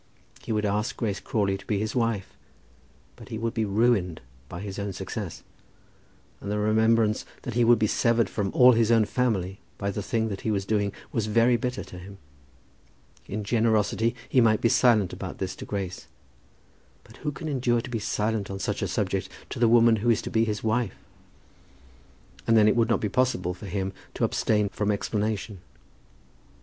He would ask Grace Crawley to be his wife; but he would be ruined by his own success. And the remembrance that he would be severed from all his own family by the thing that he was doing, was very bitter to him. In generosity he might be silent about this to Grace, but who can endure to be silent on such a subject to the woman who is to be his wife? And then it would not be possible for him to abstain from explanation.